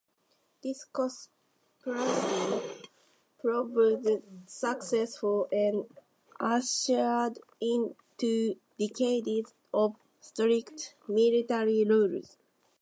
This conspiracy proved successful, and ushered in two decades of strict military rule.